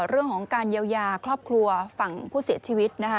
เรื่องของการเยียวยาครอบครัวฝั่งผู้เสียชีวิตนะคะ